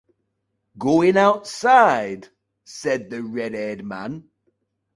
‘Going outside?’ said the red-haired man.